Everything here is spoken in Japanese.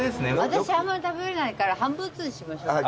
私あんまり食べれないから半分ずつにしましょう。